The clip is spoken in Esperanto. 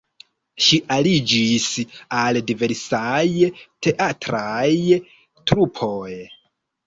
Ŝi aliĝis al diversaj teatraj trupoj.